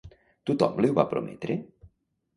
Tothom li ho va prometre?